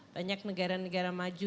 banyak negara negara maju